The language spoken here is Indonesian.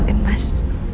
jadi semua mas